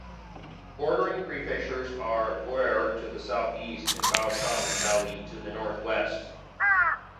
Bordering prefectures are Pu'er to the southeast, and Baoshan and Dali to the northwest.